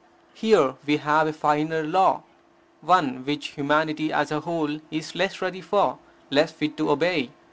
Here we have a finer law, one which humanity as a whole is less ready for, less fit to obey.